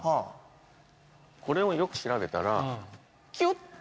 これをよく調べたらキュッ。